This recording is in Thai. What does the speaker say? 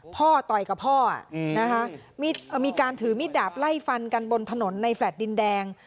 ต่อยกับพ่อนะคะมีการถือมิดดาบไล่ฟันกันบนถนนในแฟลต์ดินแดง